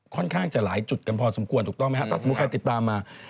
ค่อนข้างจะหลายจุดกันพอสมควรถูกต้องไหมครับถ้าสมมุติใครติดตามมา